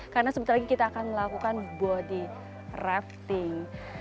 karena sebentar lagi kita akan melakukan body rafting